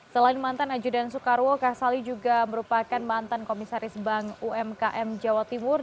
selain mantan ajudan soekarwo kasali juga merupakan mantan komisaris bank umkm jawa timur